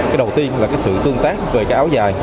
cái đầu tiên là cái sự tương tác về cái áo dài